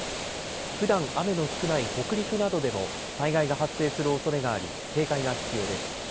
ふだん雨の少ない北陸などでも災害が発生するおそれがあり警戒が必要です。